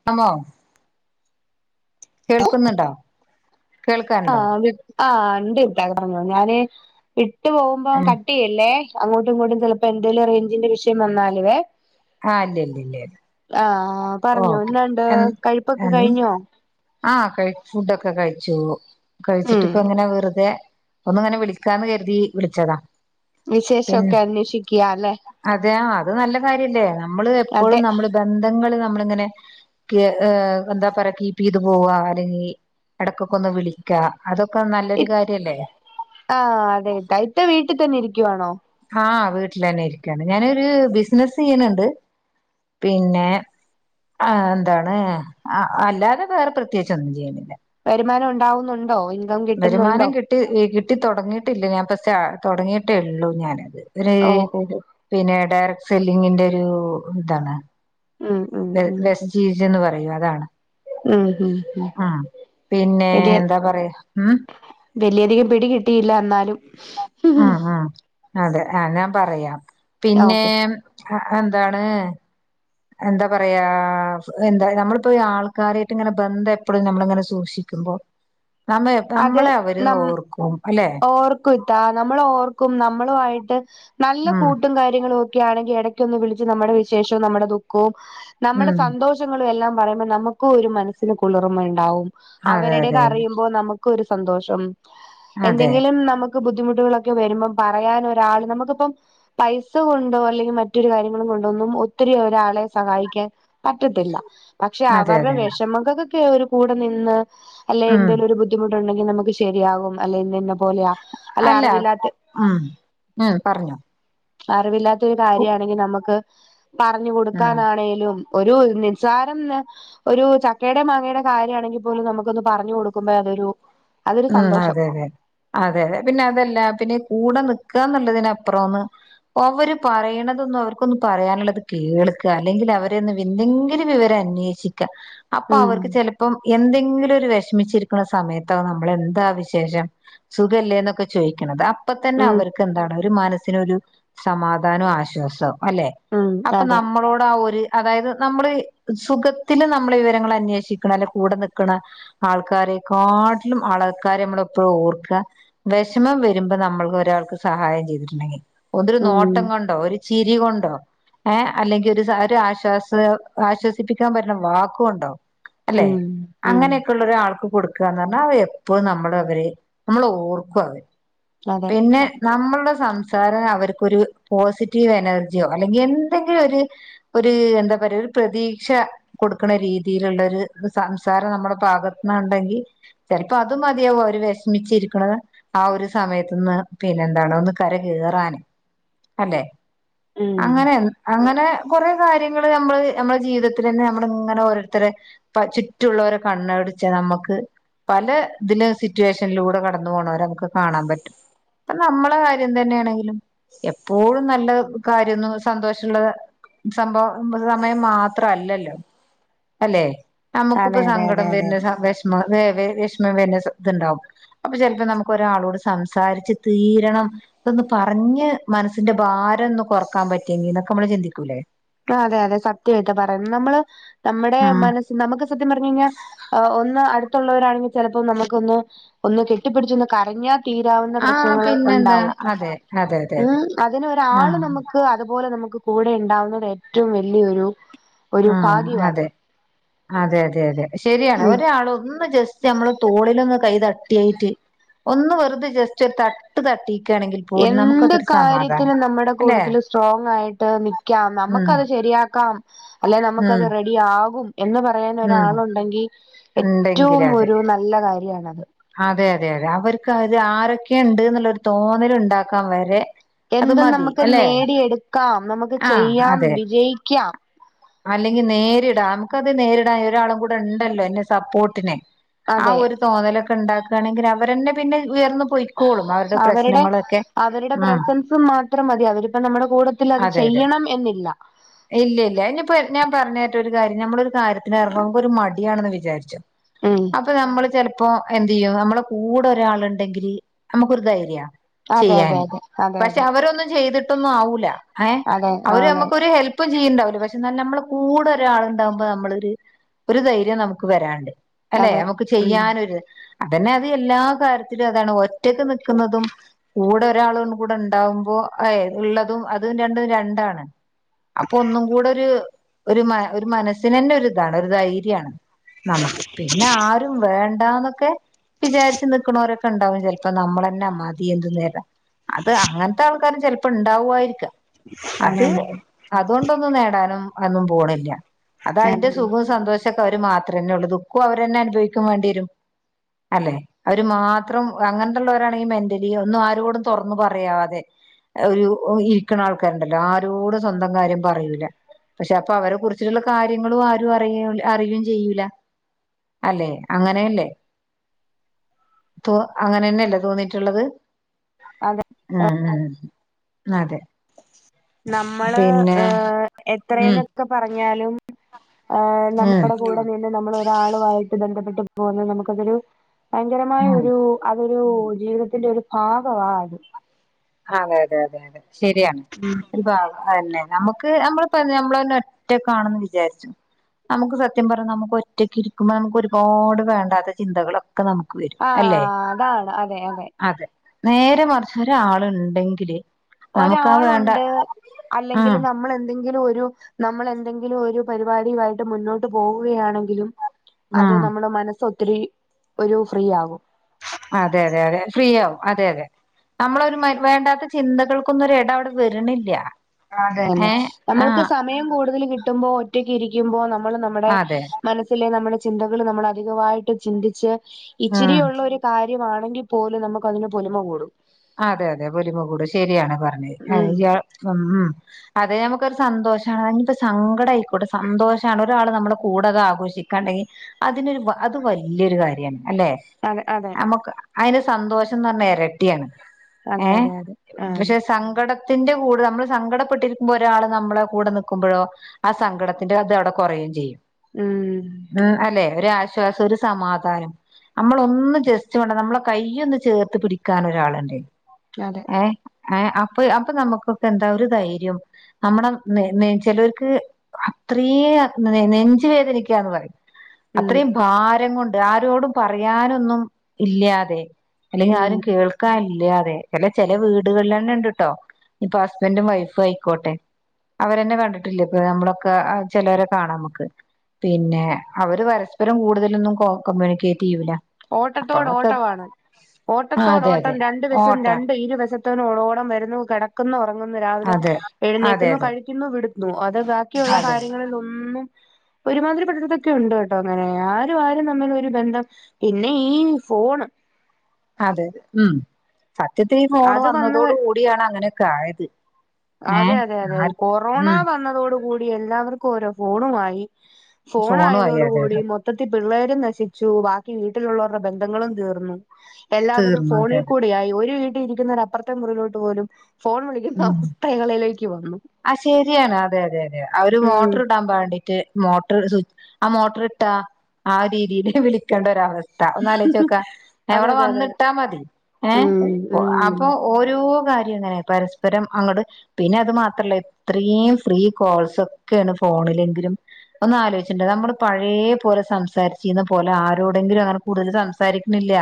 [unintelligible] കേൾക്കുന്നുണ്ടോ കേൾക്കാനുണ്ടോ ആഹ് വി ആഹ് ഇണ്ട് [unintelligible] ഞാന് വിട്ട് പോകുമ്പോ ഉം കട്ട് ചെയ്യല്ലേ അങ്ങോട്ടും ഇങ്ങോട്ടും ചിലപ്പോ എന്തേലും റേഞ്ചിന്റെ വിഷയം വന്നാലുവേ ആഹ് ഇല്ല ഇല്ല ഇല്ല ആഹ് പറഞ്ഞോ ഓക്കെ എന്താണ്ട് കഴുപ്പൊക്കെ കഴിഞ്ഞോ ആഹ് കഴിച്ചു ഫുഡൊക്കെ കഴിച്ചുള്ളു ഉം കഴിച്ചിട്ടിപ്പ ഇങ്ങനെ വെറുതെ ഒന്ന്ങ്ങനെ വിളിക്കാന്ന് കരുതി വിളിച്ചതാ. വിശേഷൊക്കെ അന്വേഷിക്ക്യ ല്ലേ അതെയ അത് നല്ല കാര്യല്ലേ നമ്മള് എപ്പളും അതെ നമ്മള് ബന്ധങ്ങൾ നമ്മള് ഇങ്ങനെ ക്ക് എന്താ പറയ കീപ്പ് ചെയ്ത് പോവാ അല്ലെങ്കിൽ എടക്കൊക്കെ ഒന്ന് വിളി ക്ക അതൊക്കെ നല്ലൊരു കാര്യല്ലേ ആഹ് അതെ ഇത്ത ഇത്ത വീട്ടിൽ തന്നെ ഇരിക്കുവാണോ ആഹ് വീട്ടിൽ തന്നെ ഇരിക്കയാണ് ഞാനൊരു ബിസിനസ് ചെയ്യ്ണ്ണ്ട് പിന്നെ ആഹ് എന്താണ് അല്ലാതെ വേറെ പ്രത്യേകിച്ചൊന്നും ചെയ്യ്ണില്ല വരുമാനം ഉണ്ടാവുന്നുണ്ടോ ഇൻകം കിട്ടുന്നുണ്ടോ ട്ടി കിട്ടി തുടങ്ങിയിട്ടില്ല ഞാൻ പ തുടങ്ങിയിട്ടേള്ളൂ ഞാനത് ഒരു ഓഹോഹോ പിന്നെ ഡയറക്ട് സെല്ലിങ്ങിന്റെ ഒരു ഇതാണ് ഉം ഉം ഉം ഉം വെസ്റ്റീജ് എന്ന് പറയും അതാണ് ഉം [unintelligible] ആഹ് പിന്നെ വലിയ എന്താ പറയാ ഉം വലിയധികം പിടി കിട്ടിയില്ല എന്നാലും ആഹ് ആഹ് അതെ ആഹ് ഞാൻ പറയാം പിന്നെ ഓക്കെ എന്താണ് എന്താ പറയാ എന്താ നമ്മളിപ്പോ ഈ ആൾക്കാരായിട്ട് ഇങ്ങനെ ബന്ധം എപ്പളും നമ്മളിങ്ങനെ സൂക്ഷിക്കുമ്പോൾ നമ്മ നമ്മളെ അവര് ഓർക്കും അല്ലെ ഓർക്കു ഇത്താ നമ്മള ഓർക്കും നമ്മളു ആയിട്ട് നല്ല ഉം കൂട്ടും കാര്യങ്ങളും ഒക്കെ ആണെങ്കി എട ക്കൊന്ന് വിളിച്ച് നമ്മുടെ വിശേഷവും നമ്മുടെ ദുഖവും നമ്മുടെ ഉം സന്തോ [unintelligible] എല്ലാം പറയുമ്പോ നമുക്ക് ഒരു മനസ്സിന് കുളിർമ ഉണ്ടാവും അതെ അവരുടേത് അതെ അറിയുമ്പോ നമു ക്കൊരു സന്തോഷം അതെ എന്തെങ്കിലും നമുക്ക് ബുദ്ധിമുട്ടുകളൊക്കെ വരുമ്പം പറയാൻ ഒരാള് നമുക്കിപ്പം പൈസ കൊണ്ടോ അല്ലെങ്കിൽ മറ്റൊരു കാര്യങ്ങളും കൊണ്ടോ ഒന്നും ഒത്തിരി ഒരാളെ സഹായിക്കാൻ പറ്റത്തില്ല പക്ഷെ അതെ അവരുടെ അതെ അതെ വിഷമഖൊക്കെ ഒരു കൂടെ നിന്ന് അല്ലെ ഉം എന്തേലും ഒരു ബു ദ്ധിമുട്ടുണ്ടെങ്കിൽ നമുക്ക് ശരിയാകും അല്ലെ നിന്നെ പോലെയാ അല്ലെ അല്ല അറിവില്ലാത്ത ഉം ഉം പർഞ്ഞോ അറിവില്ലാത്തരു കാര്യാണെങ്കി നമുക്ക് പറഞ്ഞു ഉം കൊടുക്കാനാണേലും ഒരു നിസാരം ന ഒരു ചക്കേടേം മാങ്ങേടേം കാര്യാണെങ്കി പോലും നമുക്കൊന്ന് പറഞ്ഞു കൊടുക്കുമ്പേ അതൊരു അതൊരു ഉം സന്തോഷം അതെ അതെ അതെ അതെ പിന്നെ അതെല്ലാ പിന്നെ കൂടെ നിക്കാന്ന്ള്ളതിനപ്പുറോന്ന് ഒവര് പറയ്ണതൊന്നും അവർക്കൊന്നും പറയാന്ള്ളെത് കേൾക്ക അല്ലെങ്കിലവരെയൊന്ന് വെന്തെങ്കിലും വിവെരം അന്നേ ശിക്കാ അപ്പ ഉം അവർക്ക് ചെലപ്പം എന്തെങ്കിലൊര് വെഷ്മിച്ചിരിക്ക്ണ സമയത്താണ് മ്മെളെന്താ വിശേഷം സുഖല്ലേന്നൊക്കെ ചോയ്ക്ക്ണെത് അപ്പ തന്നെ ഉം അവര്ക് ക്കെന്താണ് ഒര് മനസ്സിനൊരു സമാധാനു ആശ്വാസം അല്ലെ ഉം അപ്പം അതെ നമ്മളോടാ ഒര് അതായത് നമ്മ്ള് സുഖത്തില് നമ്മ്ള് വിവെരങ്ങളന്നേഷിക്ക്ണെ അല്ലെ കൂടെ നിക്ക്ണെ ആൾക്കാരെക്കാട്ട്ലും ആളക്കാരെമ്മെളെപ്പെഴു ഓർക്കാ വെഷെമം വെരുമ്പം നമ്മൾക്ക് ഒരാൾക്ക് സഹായം ചെയ്ത്ട്ട്ണ്ടെങ്കി ഒന്നൊരു ഉം നോട്ടം കൊണ്ടോ ഒര് ചിരി കൊണ്ടോ ഏഹ് അല്ലെങ്കി ഒര് സ ഒര് ആശ്വാസ ആശ്വസിപ്പിക്കാം പറ്റ്ണ വാക്ക് കൊണ്ടോ അല്ലേ ഉം ഉം അങ്ങെനെക്കെള്ളൊരാൾക്ക് കൊട്ക്കാർഞ്ഞാൽ അവെ എപ്പഴും നമ്മെളെ അവെര് നമ്മെളെ ഓർക്കു അവെ അതെ പിന്നെ നമ്മൾടെ സംസാര അവര്ക്കൊര് പോസിറ്റീവ് എനെർജ്യോ അല്ലെങ്കി എന്തെങ്കിലൊര് ഒര് എന്താ പറയാ ഒര് പ്രതീക്ഷാ കൊട്ക്ക്ണ രീതില്ള്ളാെര് സംസാരം നമ്മടെ ഭാഗത്ത്ന്ന്ണ്ടെങ്കി ചെൽപ്പം അത് മതിയാവും അവെര് വെഷ്മിച്ചിരിക്ക്ണെ ആ ഒര് സമയത്ത് ന്ന് പിന്നെന്താണ് ഒന്ന് കര കേറാന് അല്ലേ ഉം അങ്ങെനെ എൻ അങ്ങെനെ കൊറേ കാര്യങ്ങെള് നമ്മള് ഞമ്മളെ ജീവിതത്തിലെന്നെ നമ്മള്ങ്ങെനെ ഓരോര്ത്തെര് പ്പ ചുറ്റുള്ളോരെ കണ്ണോടിച്ചാ നമക്ക് പല തില് സിറ്റുവേഷൻലൂടെ കടന്ന് പോണോരെ നമുക്ക് കാണാം പറ്റും ഇപ്പ നമ്മളെ കാര്യം തന്നേണെങ്കിലും എപ്പോഴും നല്ല കാര്യൊന്നും സന്തോഷ്ള്ളെ സംഭവം സമയം മാത്ര അല്ലല്ലോ അല്ലേ ഞമ്മക്കുപ്പ അതെ അതെ അതെ സങ്കടം അതെ വെര്ന്ന് സമേഷ് വെ വേം വെഷ്മം വെര്ന്ന സത്ത്ണ്ടാവും അപ്പ ചെൽപ്പം നമുക്കാെരാളോട് സം സാരിച്ച് തീരെണം ഇതൊന്ന് പർഞ്ഞ് മനസ്സിന്റെ ഭാരൊന്ന് കൊറ്ക്കാം പറ്റ്യെങ്കിന്നൊക്കെ മ്മള് ചിന്തിക്കൂലേ ആഹ് അതെ അതെ സത്യായിട്ട് പറയ്ന്ന് നമ്മള് നമ്മടേ ഉം മനസ് നമുക്ക് സത്യം പറഞ്ഞഴിഞ്ഞാ ഏഹ് ഒന്ന് അടുത്തുള്ളവരാണെങ്കി ചെലപ്പം നമുക്കൊന്ന് ഒന്ന് കെട്ടിപ്പിടിച്ചൊന്ന് കരഞ്ഞാ തീരാവുന്ന ആ പ്രശ്നങ്ങെള് പിന്നെന്താ ഉണ്ടാവും അതെ അതെ അതെ അതെ ഉം ആ അതിനൊരാള് നമുക്ക് അതുപോലെ നമുക്ക് കൂടെ ഇണ്ടാവുന്നത് ഏറ്റവും വല്യൊരു ആഹ് അതെ അതെ അതെ അതെ ശരിയാണ് ഉം ഒരാള് ഒന്ന് ജെസ് റ്റ് നമ്മളെ തോളിലൊന്ന് കൈ തട്ടിയിറ്റ് ഒന്ന് വെറ്തെ ജസ്റ്റാെര് തട്ട് തട്ടി എന്ത് കാര്യത്തിനും നമ്മടെ അല്ലെ കൂടെത്തില് സ്ട്രോങ്ങായിട്ട് നിക്ക്യാം ഉം നമക്കത് ശെരിയാക്കാം അല്ലെ നമ്ക്കത് ഉം റെഡി ആകും എന്ന് ഉം പറയാനൊരാളുണ്ടെങ്കി ഉണ്ടെങ്കില് എറ്റവും അതെ ഒരു നല്ല കാര്യാണത് അതെ അതെ അതെ അവര്ക്ക് അത് ആരൊക്കേണ്ട്ന്ന്ള്ളൊരു തോന്നല്ണ്ടാക്കാം വെരെ എന്തും നമ്മക്ക് നേടിയെട്ക്കാം നമ് ആഹ് അതെ അല്ലെങ്കി നേരിടാം അമ്ക്കത് നേരിടാൻ ഒരാളും കൂടെണ്ടല്ലോ എന്റെ സപ്പോട്ടിന് ആ അതെ ഒര് തോന്നലൊക്കെണ്ടാക്കാണെങ്കി അവരെന്നെ പിന്നെ ഉയർന്ന് പാെയ് ക്കോളും അവര്ടെ പ്രശ്നങ്ങളൊക്കെ ആഹ് ത് മാത്രം മതി അവരിപ്പ നമ്മുടെ കൂടത്തിൽ അത് ചെയ്യണം എന്നില്ല ഇല്ല്യ ഇല്ല്യ ഇനിപ്പ ഞാൻ പറ്ഞ്ഞെര്ട്ടേ ഒരു കാര്യം നമ്മൊളൊരു കാര്യത്തിന് എറ്ങ്ങുമ്പോ ഒരു മടിയാണെന്ന് വിചാരിച്ചു ഉം അപ്പൊ നമ്മള് ചെല്പ്പോ എന്തെയ്യും നമ്മളെകൂടെ ഒരാളുണ്ടെങ്കില് നമുക്കൊരു ധൈര്യ അതെ അതെ ചെയ്യാന് അതെ അതെ അതെ പക്ഷെ അവരൊന്നും ചെയ്തിട്ടൊന്നും ആവൂല്ല ഏഹ് അതെ അവര് അതെ നമ്മുക്കൊരു ഹെല്പ്പും ചെയ്യുണ്ടാവില്ല പക്ഷെ എന്ന നമ്മള് കൂടെ ഒരാളണ്ടാകുമ്പോ നമ്മളൊരു ഒരുധൈര്യം നമുക്ക് വെരാണ്ട് അല്ലെ അതെ നമുക്ക് ഉം ചെയ്യാനൊരുത് അതന്നെ അത് എല്ലാ കാര്യത്തിലും അതാണ് ഒറ്റക്ക് നി ക്കുന്നതും കൂടെ ഒരാള് കൂടെ ഉണ്ടാവുമ്പോ അയ് ള്ളതും അ തും രണ്ടും രണ്ടാണ് അപ്പൊ ഒന്നും കൂടെ ഒരു ഒരു മ ഒരു മനസ്സിനന്നെ ഒരിതാണ് ഒരു ധൈര്യണ് നമുക്ക് പിന്നെ ആരും വേണ്ടന്നൊക്കെ വിചാരിച്ച്ച് നിക്ക്ണോരൊക്കെണ്ടാവും ചെല്പ്പോ നമ്മളന്നാ മതി എന്തു നേരാ അത് അങ്ങൻതെ ആൾക്കാരും ചെലപ്പോ ഇണ്ടാവുആയിരിക്കാം അത് അതന്നെ അതോണ്ടൊന്നും നേടാനും അന്നും പോണില്ല അത് അയിന്റെ അതന്നെ സുഖം സന്തോഷ ക്കെ അവർ മാത്രന്നെ ഉള്ളൂ ദുഃഖോം അവരന്നെ അനുഭവിക്കും വേണ്ടിരും അല്ലെ അവര് മാത്രം അങ്ങൻത്തുള്ളൊരാണെങ്കി മെന്റലി ഒന്നും ആരോടും തൊറന്ന്പറയാതെ ഒരു ഇരിക്ക്ണ ആൾക്കാരുണ്ടല്ലോ ആരോടും സ്വന്തം കാര്യം പറയൂല പക്ഷെ അപ്പൊ അവരെ കുറിച്ചിട്ടുള്ള കാര്യങ്ങളും ആരും അറിയ അറിയും ചെയ്യൂല അല്ലെ അങ്ങനെയല്ലേ ത്തോ അങ്ങനെന്നെയല്ലേ തോന്നിട്ട്ള്ളത് അതെ അഹ് അഹ് അതെ നമ്മള് പിന്നെ ഏഹ് ഉം എത്രെന്നൊക്കെ പറഞ്ഞാലും ഏഹ് ഉം നമ്മുടെ കൂടെ നിന്ന് നമ്മൾ ഒരാളുവായിട്ട് ബന്ധപ്പെട്ട് പോകുന്നത് നമുക്കതൊരു ഉം ഭയങ്കരമായൊരു അതൊരു ജീവിതത്തിന്റെ ഒരു ഭാഗവാ അത് അതെതെതെ അതെ ശരിയാ ഒരുഭാഗ അയെന്നെ നമുക്ക് നമ്മള് പറഞ്ഞ നമ്മളന്നെ ഒറ്റക്കാണെന്ന് വിചാരിച്ചു നമുക്ക് സത്യം പറഞ്ഞ നമുക്ക് ഒറ്റക്കിരിക്കുമ്പോ നമുക്ക് ഒരുപാട് വേണ്ടാത്ത ചിന്തകളൊ ക്കെ നമുക്ക് വരും ആഹ് അല്ലെ അതാണ് അതെ അതെ നേരെ മറിച്ചൊരാളുണ്ടെങ്കില് ഒരാളുണ്ട് ഉം അല്ലെങ്കില് നമ്മളെന്തെങ്കിലു ഒരു നമ്മൾ എന്തെങ്കിലും ഒരു പരിപാടിയുമായിട്ട് മുന്നോട്ട് പോവുകയാണെങ്കിലും അത് ഉം നമ്മുടെ മനസ്സൊ ത്തിരി ഒരു ഫ്രീ ആകും അതെ അതെ അതെ ഫ്രീ ആവും അതെ അതെ നമ്മളൊരു വേണ്ടാത്ത ചിന്തകൾക്കൊന്നും ഒരെടം അവിടെ വരണില്ല അതെന്നെ ഏ ആ നമ്മൾക്ക് സമയം കൂടുതൽ കിട്ടുമ്പോ ഒറ്റക്ക് ഇരിക്കുമ്പോ നമ്മള് നമ്മടെ അതെ മനസ്സിലെ നമ്മളെ ചിന്തകൾ നമ്മള അധികവായിട്ട് ചിന്തിച്ച് ഉം ഇച്ചിരിയുളെളാരു കാര്യമാണെങ്കി പോലും നന്മക്കതിന് പൊലിമ കൂടും അതെ അതെ പൊലിമ കൂടും ശരിയാണ് പറഞ്ഞത് ഉം ഇയാ ഉം ഉം അത് ഞമുക്കൊരു സന്തോഷാണ് അനിപ്പോ സങ്കടായിക്കോട്ടെ സന്തോഷാണ് ഒരാള് നമ്മളെ കൂടെതാഘോഷിക്കാണ്ടെങ്കിൽ അതിനൊരു അത് വല്യൊരു കാര്യാണ് അല്ലെ അതെ അതെ അമുക്ക് അയിന് സന്തോഷന്ന് പറഞ്ഞാ ഇരട്ടിയാണ് അതെ ഏഹ് അതെ അതെ ആഹ് പക്ഷെ സങ്കടത്തിന്റെ കൂടെ നമ്മൾ സങ്കടപ്പെട്ടിരിക്കുമ്പോ ഒരാള് നമ്മളെ കൂടെ നിക്കുമ്പോഴോ ആ സങ്കടത്തിന്റെ അത് അവിടെ കുറയേംചെയ്യും ഉം ഉം അല്ലെ ഒരാശ്വാസം ഒരു സമാധാനം നമ്മളൊന്ന് ജസ്റ്റ് വേണ്ട നമ്മളെ കയ്യൊന്ന് ചേർത്ത് പിടിക്കാൻ ഒരാളുണ്ട് ഇക്കതെ ഏഹ് ഏഹ് അപ്പൊ അപ്പൊ നമുക്കൊക്കെ എന്താ ഒരു ധൈര്യം നമ്മുടെ നെ ചെലോർക്ക് അത്രയും നെഞ്ച് വേദനിക്കാന്ന് പറയും ഉം അത്രയും ഭാരം കൊണ്ട് ആരോടും പറയാനൊന്നും ഇല്ലാതെ അല്ലെങ്കിൽ ഉം ആരും കേൾക്കാനില്ല അതെയതെ അല്ല ചെല വീടുകളിൽ തന്നെ മണ്ട്ട്ടോ ഇപ്പൊ ഹസ്ബന്റും വൈഫും ആയിക്കോട്ടെ അവരെന്നെ കണ്ടിട്ടില്ലെ ഇപ്പ നമ്മളൊക്കെ ചെലോരെ കാണാം നമക്ക് പിന്നെ അവര് പരസ്പരം കൂടുതലൊന്നും കൊ കമ്മ്യൂണിക്കേറ്റ് ചെയ്യൂല അപ്പൊ ഓട്ടത്തോട് അവർക്ക് ഓട്ടമാണ് ഓട്ടത്തോട അതെ ഓട്ടം അതെ രണ്ട് വശം ഓട്ട രണ്ട് ഇരുവശത്തോട ഓടം വരുന്നു കിടക്കുന്നു ഉറങ്ങുന്നു രാവിലെ അതെ അതെ എഴുന്നേക്കുന്നു കഴി ക്കുന്നു വിടുന്നു അത് ബാക്കിയുള്ള അതെ അതെ കാര്യങ്ങളിൽ ഒന്നും ഒരുമാതിരിപ്പെട്ടടത്താക്കെ ഉണ്ട് കേട്ടോ അങ്ങനെ ആരും ആരും തമ്മിലൊരു ബന്ധം പിന്നെ ഈ ഫോണ് അതെ ഉം സത്യത്തിൽ ഈ ഫോണ് അത് വന്ന് വന്നതോട് കൂടിയാണ് അങ്ങനെയൊക്കെ ആയത് ഏഹ് അതെയതെയതെ ആർ കൊറോണ ഉം വന്നതോടു കൂടി എല്ലാവർക്കും ഓരോ ഫോണുവായി ഫോണു ആയി അതെ ഫോണായതോടുകൂടി അതെ മൊത്തത്തിൽ പിള്ളേരും നശിച്ചു ബാക്കി വീട്ടിലുള്ളവരുടെ ബന്ധങ്ങളും തീർന്നു എല്ലാവരും തീർന്നു അതെ ഫോണിൽ അതെ കൂടെയായി ഒരു വീട്ടിൽ ഇരിക്കുന്നവർ അപ്പുറത്തെ മുറിലോട്ട് പോലും ഫോൺ വിളിക്കുന്ന ഉം അവസ്ഥകളിലേക്ക് വന്നു ആ ശരിയാണ് അതെയതെയതെ അവര് ഉം മോട്ടർ ഇടാൻ ബാണ്ടീട്ട് മോട്ടർ സ്വി ആ മോട്ടർ ഇട്ടാ ആ രീതില് വിളിക്കേണ്ടരവസ്ഥ ട്ട ഒന്നാലേചിച്ചോക്കാ അതെ എവിടെ അതെ അതെ അതെ വന്നിട്ടാ മതി ഏഹ് ഉം ഉം അപ്പൊ ഓരോ കാര്യങ്ങനെ പരസ്പരം അങ്ങട് പിന്നെ അത് മാത്ര ത്രല്ല ഇത്രയും ഫ്രീ കോൾസ് ഒക്കെയാണ് ഫോണിലെങ്കിലും ഒന്നാലോചിച്ചിണ്ടാ നമ്മള് പഴയ പോലെ സംസാരിച്ചിന്ന പോലെ ആരോടെങ്കിലും അങ്ങനെ കൂടുതൽ സംസാരിക്കണില്ല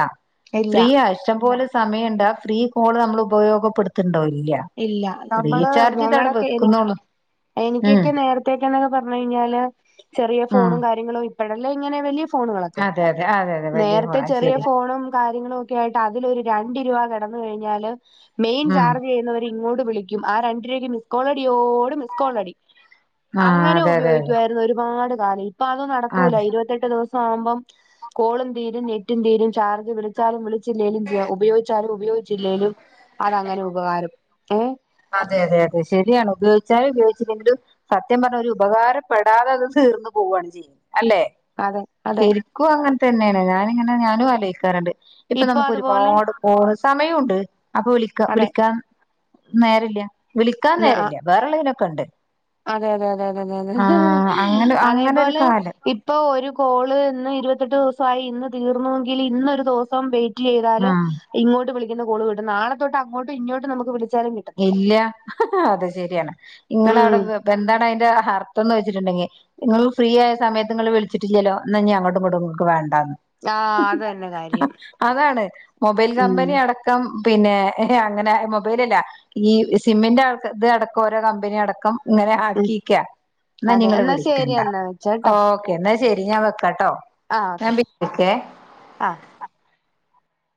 ഇല്ല ഫ്രീയാ ഇഷ്ടം പോലെ സമയുണ്ടാ ഫ്രീ കോള് നമ്മൾ ഉപയോഗപ്പെടുത്തുണ്ടോ ഇല്ല ഇല്ല നമ്മള് റീചാർജ് ചെയ്ത് അവിടെ ഞങ്ങളൊക്കെ എനി വെക്കുന്നുള്ളൂ ഉം എനിക്കൊക്കെ നേര ത്തെക്കെന്നൊക്കെ പറഞ്ഞെഴിഞ്ഞാല് ചെറിയ ഉം ഫോണും കാര്യങ്ങളും ഇപ്പോഴെല്ലെ ഇങ്ങനെ വലിയ ഫോണുകളൊക്കെ അതെ അതെ അതെ അതെ വലിയ നേരത്തെ ഫോണാ ചെറിയ ശരിയാ ഫോണും കാര്യംങ്ങൾക്കേ ആയിട്ട് അതിലൊരു രണ്ട് രൂപ കിടന്നു കഴിഞ്ഞാല് മെയിൻ ഉം ചാർജ് ചെയ്തു ഇങ്ങോട്ട് വിളിക്കും ആ രണ്ട് രൂപക്ക് മിസ് കോളടിയോട് മിസ് കോളടി. ആഹ് അങ്ങനെ അതെ അതെ അതെ ഉപയോഗികായിരുന്നു ഒരുപാട് കാലം ഇപ്പൊ അത് നടക്കൂല അതെ ഇരുപത്തി ത്തെട്ട് ദിവസാകുമ്പോ കോളും തീരും നെറ്റും തീരും ചാർജ്ജ് വിളിച്ചാലും വിള ജില്ലയിലും ഉപയോഗിച്ചാലും ഉപയോഗിച്ചില്ലേലും അതങ്ങനെ ഉപകാരം ഏ അതെ അതെ അതെ ശരിയാണ് ഉപയോഗിചാലും ഉപയോഗിച്ചില്ലെങ്കിലും. സത്യം പറഞ്ഞ ഒരു ഉപകാരപ്പെടാതെ അത് തീർന്നു പോവുകയാണ് ചെയ്യേ അല്ലെ. അതെ അതെ. നിക്കും അങ്ങനെ തന്നെയാണ് ഞാനിങ്ങനെ ഞാനും ആലോയിക്കാറുണ്ട് ഇപ്പൊ നമുക്ക് ഒരുപാട്. ഓ സമയം ഉണ്ട് അപ്പൊ വിളിക്ക അതെ വിളിക്കാൻ. നേരല്ല വിളിക്കാൻ നേരില്ല വേറെള്ളതിലൊക്കെ ഉണ്ട്. അതെതെ അതെതെതതെ ആഹ് അങ്ങനെ അങ്ങനെ ഒരു അതേപോലെ കാലം ഇപ്പോ ഒരു കോള് ഇന്ന് ഇരുപത്തെട്ട് ദിവസമായി ഇന്ന് തീർന്നുവെങ്കിൽ ഇന്നരു ദിവസം വെറ്റ്. ചെയ്താല് ആഹ് ഇങ്ങോട്ട് വിളിക്കുന്ന കോള് കിട്ടും നാളെ തൊട്ട് അങ്ങോട്ടും ഇങ്ങോട്ടും നമുക്ക് വിളിച്ചാലും ക്കി ഇല്ല അത് ശരിയാണ് ഇങ്ങള ഉം അവ്ടെ എന്താണ് അതിന്റെ ഹർത്തന്ന് വെ ച്ണ്ടെങ്കി ഇങ്ങളും ഫ്രീയായ സമയത്ത് ഇങ്ങള് വിളിച്ചിട്ടില്ലലൊ ഇന്നഞ്ഞി അങ്ങ്ട്ടും ഇങ്ങ്ട്ടും ഇങ്ങക് വേണ്ടാന്ന്. ആഹ്‌ അത് തന്നെ കാര്യം. അതാണ് മൊബൈൽ ഉം കമ്പനി അടക്കം പിന്നെ അങ്ങനെ മൊബൈലല്ല. ഈ സിമ്മിന്റ് ആൾ ഇത് അടക്കം ഓരോ കമ്പനിയടക്കം. ഇങ്ങനെ ഉം ആക്കീക്ക ഇന്നഞി അതെ ഇങ്ങള് എന്നാ ശരി വിളിക്കണ്ട എന്നാ ഓ വെച്ചേട്ടോ ക്കെ ഇന്ന ശരി ഞാൻ വെക്കാട്ടോ ആഹ് ഞാൻ ഓക്കെ വിളിക്കേ ആഹ്.